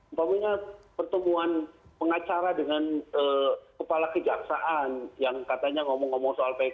umpamanya pertemuan pengacara dengan kepala kejaksaan yang katanya ngomong ngomong soal pkpu